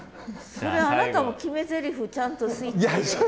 それあなたも決めゼリフちゃんとスイッチ入れて。